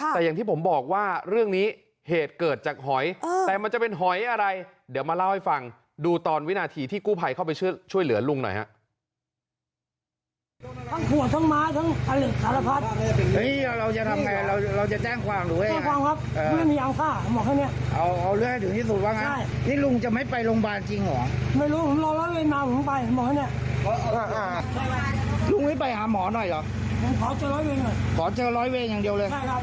หมอยอะไรเดี๋ยวมาเล่าให้ฟังดูตอนวินาทีที่กู้ภัยเข้าไปช่วยเหลือลุงหน่อย